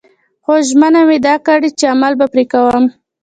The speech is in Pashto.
خو ژمنه مې ده کړې چې عمل به پرې کوم